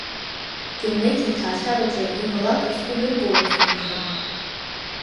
Кеннеди иҭаацәараҿы иабалак ацгәы ныркылозма, мшәан?